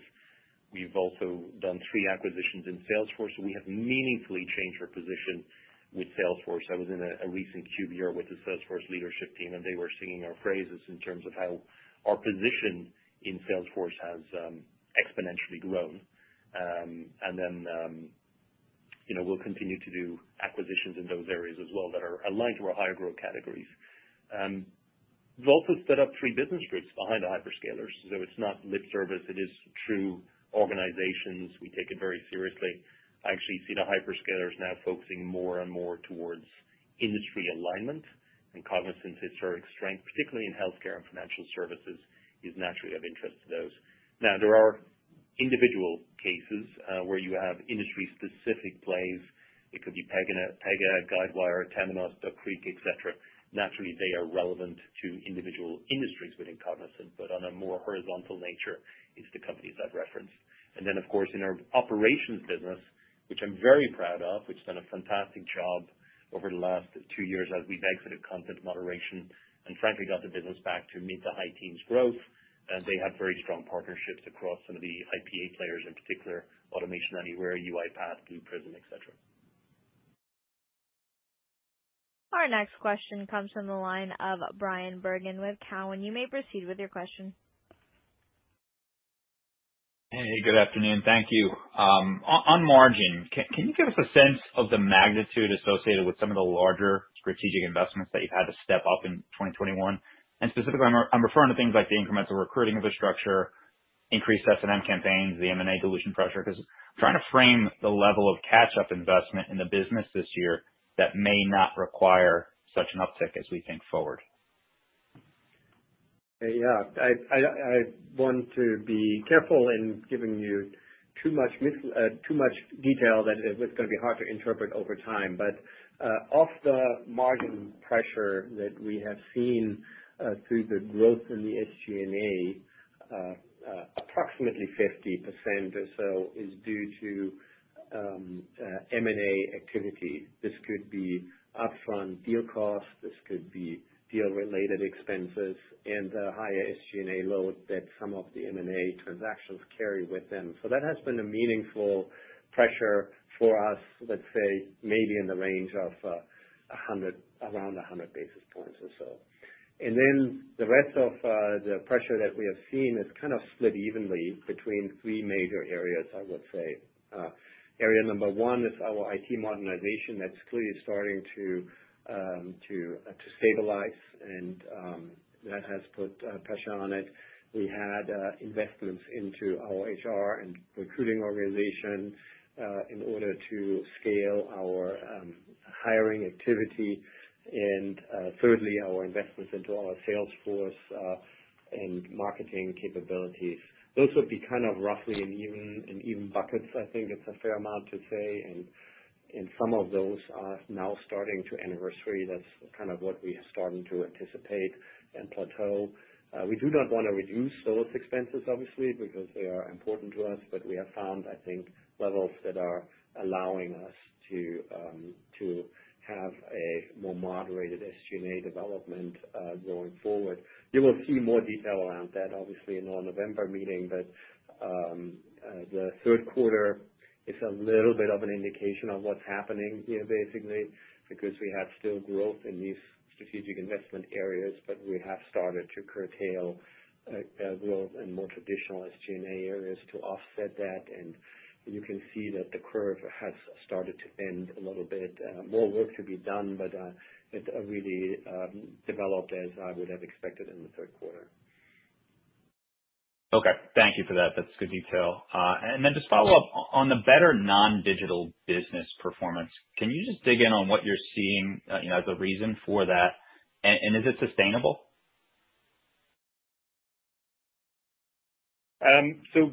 We've also done three acquisitions in Salesforce. We have meaningfully changed our position with Salesforce. I was in a recent QBR with the Salesforce leadership team, and they were singing our praises in terms of how our position in Salesforce has exponentially grown. You know, we'll continue to do acquisitions in those areas as well that are aligned to our higher growth categories. We've also set up three business groups behind the hyperscalers, so it's not lip service. It is true organizations. We take it very seriously. I actually see the hyperscalers now focusing more and more towards industry alignment, and Cognizant's historic strength, particularly in healthcare and financial services, is naturally of interest to those. Now, there are individual cases where you have industry-specific plays. It could be Pega, Guidewire, Temenos, Duck Creek, et cetera. Naturally, they are relevant to individual industries within Cognizant, but on a more horizontal nature is the companies I've referenced. Of course, in our operations business, which I'm very proud of, which done a fantastic job over the last two years as we've exited content moderation and frankly got the business back to mid- to high-teens growth, they have very strong partnerships across some of the IPA players, in particular Automation Anywhere, UiPath, Blue Prism, et cetera. Our next question comes from the line of Bryan Bergin with TD Cowen. You may proceed with your question. Hey, good afternoon. Thank you. On margin, can you give us a sense of the magnitude associated with some of the larger strategic investments that you've had to step up in 2021? Specifically, I'm referring to things like the incremental recruiting infrastructure, increased S&M campaigns, the M&A dilution pressure, because trying to frame the level of catch-up investment in the business this year that may not require such an uptick as we think forward. Yeah. I want to be careful in giving you too much detail that it's gonna be hard to interpret over time. Of the margin pressure that we have seen through the growth in the SG&A, approximately 50% or so is due to M&A activity. This could be upfront deal costs, this could be deal-related expenses and a higher SG&A load that some of the M&A transactions carry with them. That has been a meaningful pressure for us, let's say maybe in the range of around 100 basis points or so. The rest of the pressure that we have seen is kind of split evenly between three major areas, I would say. Area number one is our IT modernization that's clearly starting to stabilize and that has put pressure on it. We had investments into our HR and recruiting organization in order to scale our hiring activity. Thirdly, our investments into our sales force and marketing capabilities. Those would be kind of roughly in even buckets, I think it's a fair amount to say. Some of those are now starting to anniversary. That's kind of what we are starting to anticipate and plateau. We do not wanna reduce those expenses obviously, because they are important to us, but we have found, I think, levels that are allowing us to have a more moderated SG&A development going forward. You will see more detail around that obviously in our November meeting, but the third quarter is a little bit of an indication of what's happening here, basically, because we still have growth in these strategic investment areas, but we have started to curtail growth in more traditional SG&A areas to offset that. You can see that the curve has started to bend a little bit. More work to be done, but it really developed as I would have expected in the third quarter. Okay. Thank you for that. That's good detail. Just follow up. On the better non-digital business performance, can you just dig in on what you're seeing, you know, as a reason for that? Is it sustainable?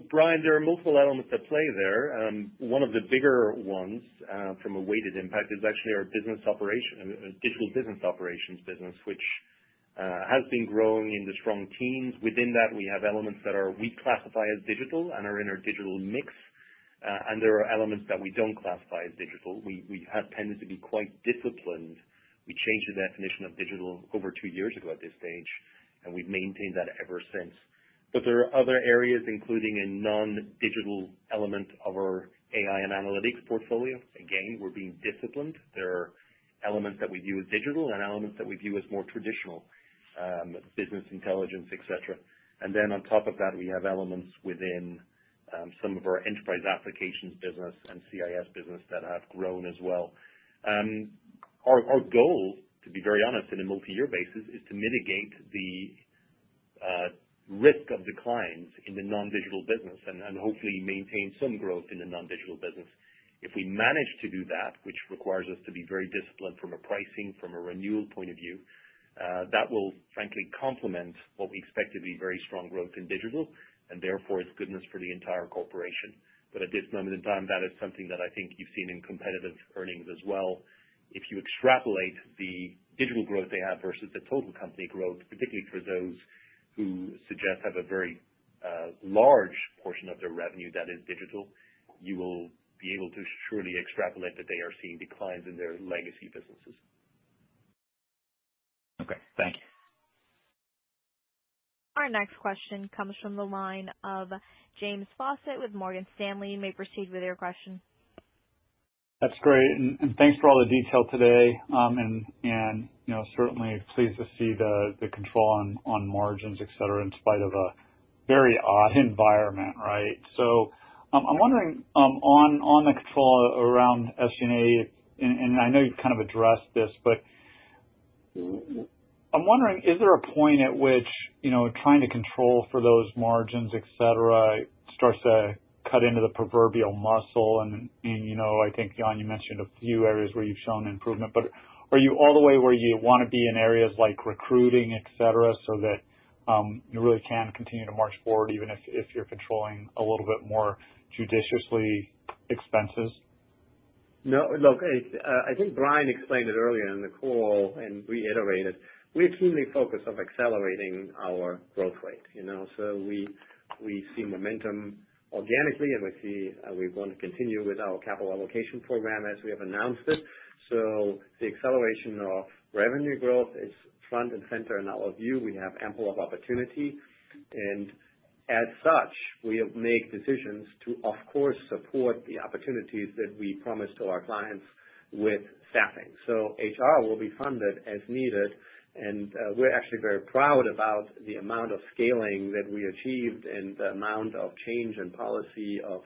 Bryan, there are multiple elements at play there. One of the bigger ones, from a weighted impact is actually our business operation, digital business operations business, which has been growing in the strong teens. Within that, we have elements that we classify as digital and are in our digital mix, and there are elements that we don't classify as digital. We have tended to be quite disciplined. We changed the definition of digital over two years ago at this stage, and we've maintained that ever since. There are other areas, including a non-digital element of our AI and analytics portfolio. Again, we're being disciplined. There are elements that we view as digital and elements that we view as more traditional, business intelligence, et cetera. On top of that, we have elements within some of our enterprise applications business and CIS business that have grown as well. Our goal, to be very honest, on a multi-year basis, is to mitigate the risk of declines in the non-digital business and hopefully maintain some growth in the non-digital business. If we manage to do that, which requires us to be very disciplined from a pricing, from a renewal point of view, that will frankly complement what we expect to be very strong growth in digital and therefore it's goodness for the entire corporation. At this moment in time, that is something that I think you've seen in competitive earnings as well. If you extrapolate the digital growth they have versus the total company growth, particularly for those who suggest have a very large portion of their revenue that is digital, you will be able to surely extrapolate that they are seeing declines in their legacy businesses. Okay, thank you. Our next question comes from the line of James Faucette with Morgan Stanley. You may proceed with your question. That's great. Thanks for all the detail today. You know, certainly pleased to see the control on margins, et cetera, in spite of a very odd environment, right? I'm wondering on the control around SG&A, and I know you've kind of addressed this, but- Mm-hmm. I'm wondering, is there a point at which, you know, trying to control for those margins, et cetera, starts to cut into the proverbial muscle and you know, I think, Jan, you mentioned a few areas where you've shown improvement, but are you all the way where you wanna be in areas like recruiting, et cetera, so that you really can continue to march forward even if you're controlling a little bit more judiciously expenses? No. Look, it's, I think Brian explained it earlier in the call and reiterated. We are keenly focused on accelerating our growth rate, you know. We see momentum organically and we see we wanna continue with our capital allocation program as we have announced it. The acceleration of revenue growth is front and center in our view. We have ample of opportunity. As such, we have made decisions to, of course, support the opportunities that we promise to our clients with staffing. HR will be funded as needed. We're actually very proud about the amount of scaling that we achieved and the amount of change in policy of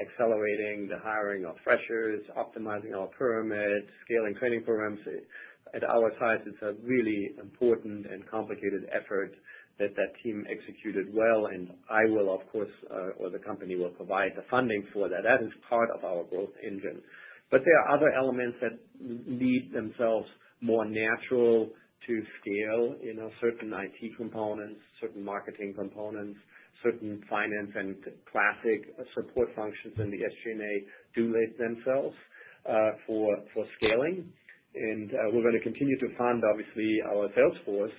Accelerating the hiring of freshers, optimizing our perks, scaling training programs. At our size, it's a really important and complicated effort that team executed well, and I will, of course, or the company will provide the funding for that. That is part of our growth engine. There are other elements that lend themselves more naturally to scale. You know, certain IT components, certain marketing components, certain finance and classic support functions in the SG&A do lend themselves for scaling. We're gonna continue to fund, obviously, our sales force.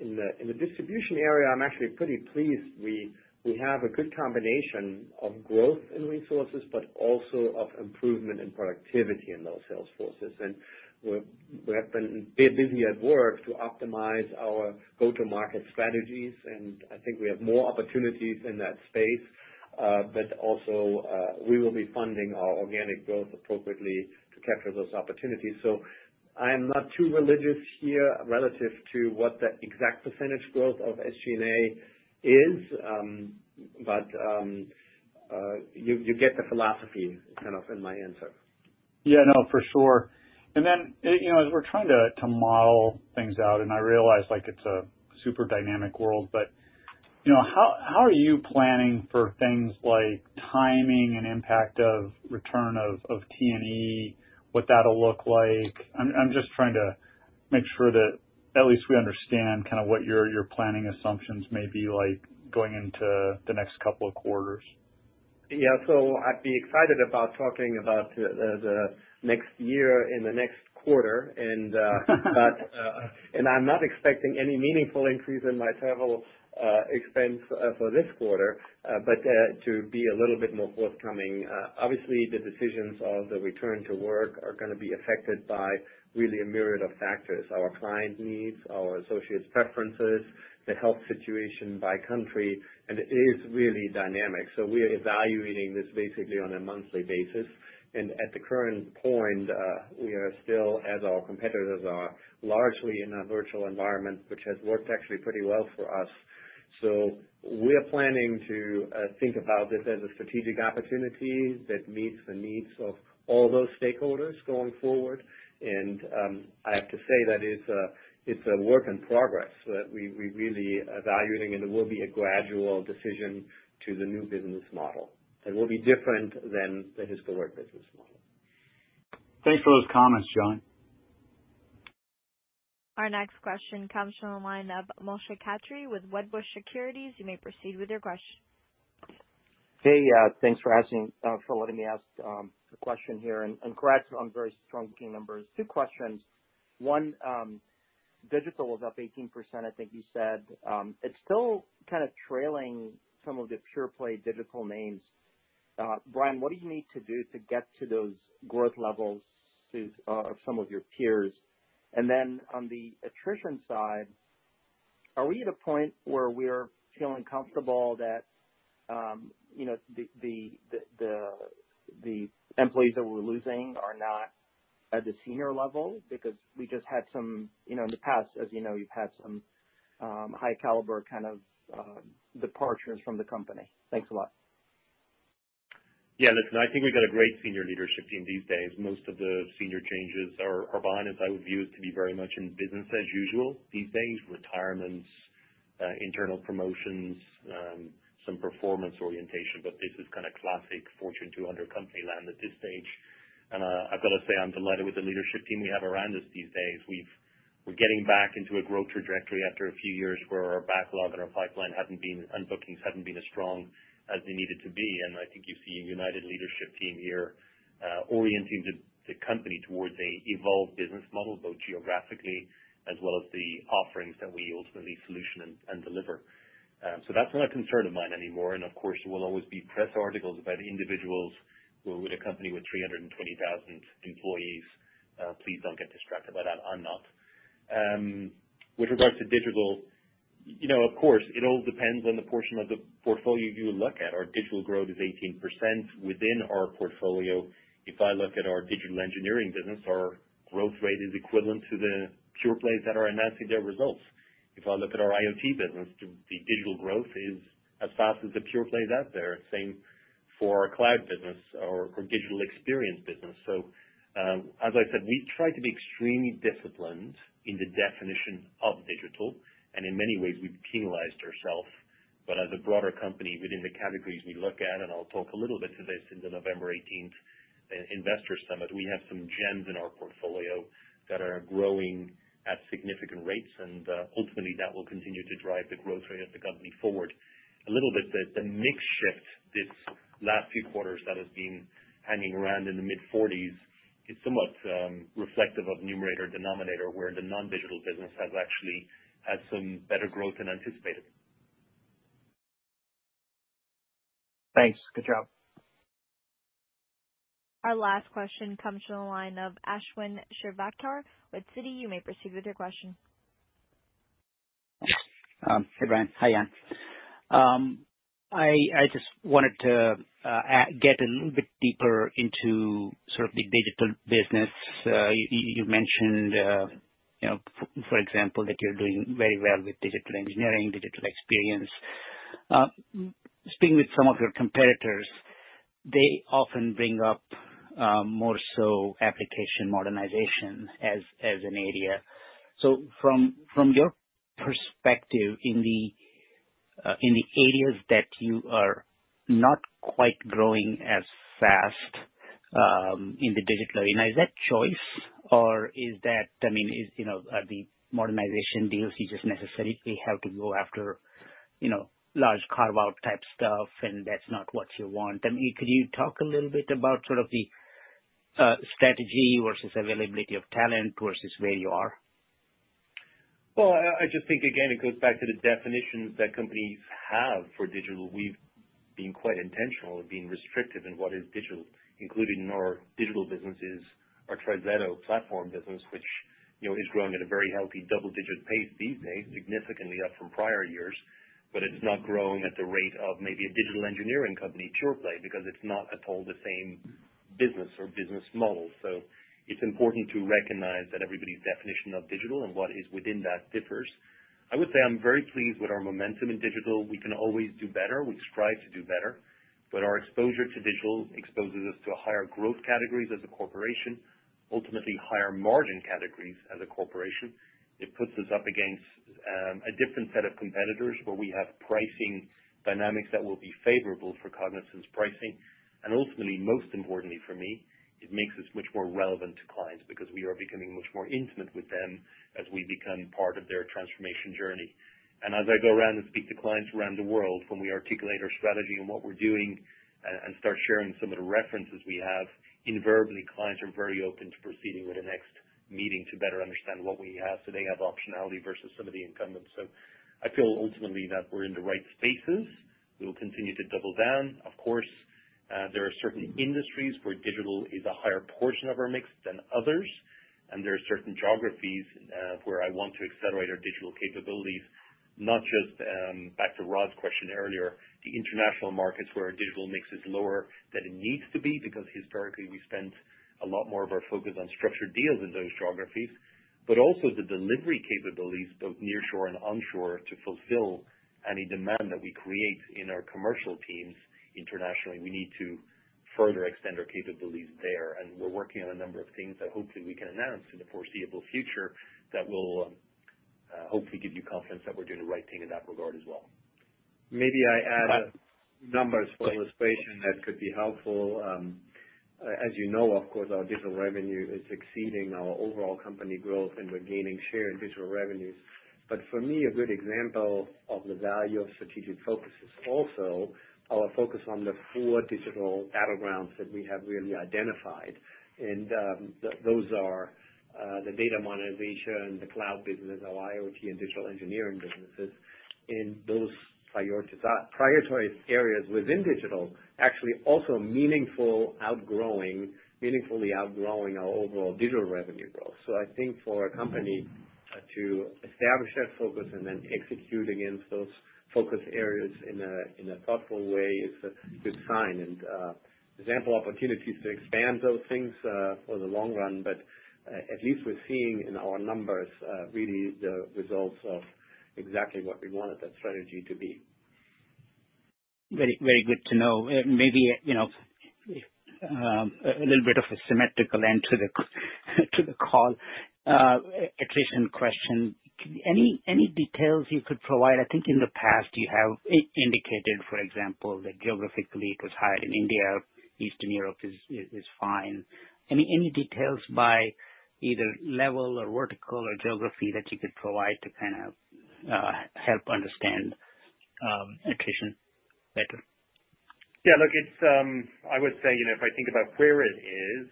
In the distribution area, I'm actually pretty pleased. We have a good combination of growth in resources, but also of improvement in productivity in those sales forces. We have been busy at work to optimize our go-to market strategies, and I think we have more opportunities in that space. But also, we will be funding our organic growth appropriately to capture those opportunities. I'm not too religious here relative to what the exact percentage growth of SG&A is, but you get the philosophy kind of in my answer. Yeah, no, for sure. Then, you know, as we're trying to model things out, and I realize, like, it's a super dynamic world, but, you know, how are you planning for things like timing and impact of return of T&E, what that'll look like? I'm just trying to make sure that at least we understand kind of what your planning assumptions may be like going into the next couple of quarters. Yeah, I'd be excited about talking about the next year and the next quarter and I'm not expecting any meaningful increase in my travel expense for this quarter. To be a little bit more forthcoming, obviously the decisions on the return to work are gonna be affected by really a myriad of factors, our client needs, our associates' preferences, the health situation by country, and it is really dynamic. We are evaluating this basically on a monthly basis. At the current point, we are still, as our competitors are, largely in a virtual environment, which has worked actually pretty well for us. We're planning to think about this as a strategic opportunity that meets the needs of all those stakeholders going forward. I have to say that it's a work in progress that we're really evaluating, and it will be a gradual decision to the new business model, and will be different than the historic business model. Thanks for those comments, Jan Siegmund. Our next question comes from the line of Moshe Katri with Wedbush Securities. You may proceed with your question. Hey, thanks for asking for letting me ask a question here. Congrats on very strong booking numbers. Two questions. One, digital was up 18% I think you said. It's still kind of trailing some of the pure play digital names. Brian, what do you need to do to get to those growth levels of some of your peers? Then on the attrition side, are we at a point where we're feeling comfortable that you know the employees that we're losing are not at the senior level? Because we just had some you know in the past, as you know, you've had some high caliber kind of departures from the company. Thanks a lot. Yeah, listen, I think we've got a great senior leadership team these days. Most of the senior changes are behind us. I would view it to be very much in business as usual these days. Retirements, internal promotions, some performance orientation, but this is kind of classic Fortune 200 company land at this stage. I've gotta say I'm delighted with the leadership team we have around us these days. We're getting back into a growth trajectory after a few years where our backlog and our pipeline hadn't been, and bookings hadn't been as strong as they needed to be. I think you see a united leadership team here, orienting the company towards an evolved business model, both geographically as well as the offerings that we ultimately solution and deliver. That's not a concern of mine anymore. Of course, there will always be press articles about individuals who, with a company with 320,000 employees, please don't get distracted by that. I'm not. With regards to digital, you know, of course, it all depends on the portion of the portfolio you look at. Our digital growth is 18% within our portfolio. If I look at our digital engineering business, our growth rate is equivalent to the pure plays that are announcing their results. If I look at our IoT business, the digital growth is as fast as the pure plays out there. Same for our cloud business or digital experience business. As I said, we try to be extremely disciplined in the definition of digital, and in many ways we've penalized ourselves. As a broader company within the categories we look at, and I'll talk a little bit to this in the November 18th Investor Summit, we have some gems in our portfolio that are growing at significant rates, and ultimately that will continue to drive the growth rate of the company forward. A little bit, the mix shift this last few quarters that has been hanging around in the mid-40s% is somewhat reflective of numerator, denominator, where the non-digital business has actually had some better growth than anticipated. Thanks. Good job. Our last question comes from the line of Ashwin Shirvaikar with Citi. You may proceed with your question. Hey, Brian. Hi, Jan. I just wanted to get a little bit deeper into sort of the digital business. You know, for example, that you're doing very well with digital engineering, digital experience. Speaking with some of your competitors, they often bring up more so application modernization as an area. From your perspective in the areas that you are not quite growing as fast in the digital arena, is that choice or is that? I mean, you know, are the modernization deals you just necessarily have to go after, you know, large carve-out type stuff and that's not what you want. I mean, could you talk a little bit about sort of the strategy versus availability of talent versus where you are? Well, I just think again, it goes back to the definitions that companies have for digital. We've been quite intentional and been restrictive in what is digital, including in our digital businesses, our TriZetto platform business, which, you know, is growing at a very healthy double-digit pace these days, significantly up from prior years. But it's not growing at the rate of maybe a digital engineering company pure play because it's not at all the same business or business model. It's important to recognize that everybody's definition of digital and what is within that differs. I would say I'm very pleased with our momentum in digital. We can always do better. We strive to do better. Our exposure to digital exposes us to higher growth categories as a corporation, ultimately higher margin categories as a corporation. It puts us up against a different set of competitors where we have pricing dynamics that will be favourable for Cognizant's pricing. Ultimately, most importantly for me, it makes us much more relevant to clients because we are becoming much more intimate with them as we become part of their transformation journey. As I go around and speak to clients around the world, when we articulate our strategy and what we're doing and start sharing some of the references we have, invariably clients are very open to proceeding with the next meeting to better understand what we have, so they have optionality versus some of the incumbents. I feel ultimately that we're in the right spaces. We will continue to double down. Of course, there are certain industries where digital is a higher portion of our mix than others, and there are certain geographies where I want to accelerate our digital capabilities, not just back to Rod's question earlier, the international markets where our digital mix is lower than it needs to be because historically we spent a lot more of our focus on structured deals in those geographies. Also, the delivery capabilities, both near shore and on shore, to fulfill any demand that we create in our commercial teams internationally. We need to further extend our capabilities there. We're working on a number of things that hopefully we can announce in the foreseeable future that will hopefully give you confidence that we're doing the right thing in that regard as well. Maybe I add numbers for illustration that could be helpful. As you know, of course, our digital revenue is exceeding our overall company growth, and we're gaining share in digital revenues. For me, a good example of the value of strategic focus is also our focus on the four digital battlegrounds that we have really identified. Those are the data monetization, the cloud business, our IoT and digital engineering businesses. Those prioritized areas within digital actually also meaningfully outgrowing our overall digital revenue growth. I think for a company to establish that focus and then execute against those focus areas in a thoughtful way is a good sign. Example opportunities to expand those things for the long run, but at least we're seeing in our numbers really the results of exactly what we wanted that strategy to be. Very, very good to know. Maybe, you know, a little bit of a symmetrical end to the call. Attrition question. Any details you could provide? I think in the past you have indicated, for example, that geographically it was higher in India, Eastern Europe is fine. Any details by either level or vertical or geography that you could provide to kind of help understand attrition better? Yeah, look, it's. I would say, you know, if I think about where it is,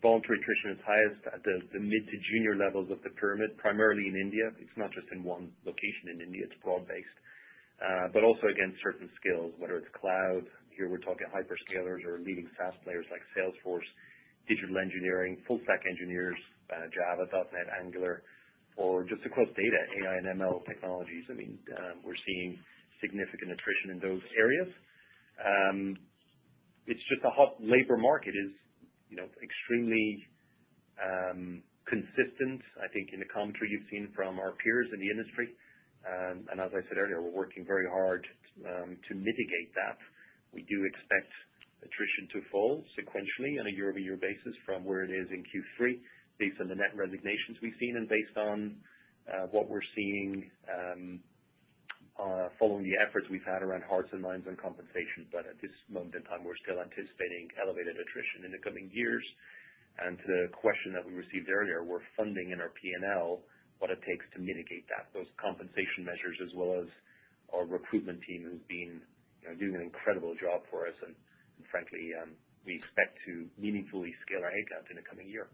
voluntary attrition is highest at the mid to junior levels of the pyramid, primarily in India. It's not just in one location in India, it's broad-based. Also, against certain skills, whether it's cloud, here we're talking hyperscalers or leading SaaS players like Salesforce, digital engineering, full stack engineers, Java, .NET, Angular, or just across data, AI and ML technologies. I mean, we're seeing significant attrition in those areas. It's just a hot labor market, you know, extremely consistent, I think in the commentary you've seen from our peers in the industry. As I said earlier, we're working very hard to mitigate that. We do expect attrition to fall sequentially on a year-over-year basis from where it is in Q3 based on the net resignations we've seen and based on what we're seeing following the efforts we've had around hearts and minds on compensation. But at this moment in time, we're still anticipating elevated attrition in the coming years. To the question that we received earlier, we're funding in our P&L what it takes to mitigate that, those compensation measures as well as our recruitment team who've been, you know, doing an incredible job for us. Frankly, we expect to meaningfully scale our headcount in the coming year.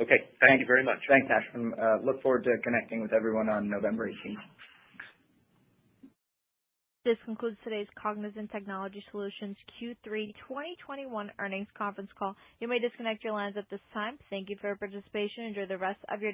Okay. Thank you very much. Thanks, Ash. I look forward to connecting with everyone on November 18th. This concludes today's Cognizant Technology Solutions Q3 2021 Earnings Conference Call. You may disconnect your lines at this time. Thank you for your participation. Enjoy the rest of your day.